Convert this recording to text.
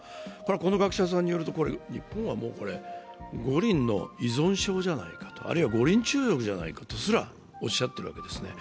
この学者さんによると、日本は五輪の依存症じゃないかと、あるいは五輪中毒じゃないかとすらおっしゃっているんですね。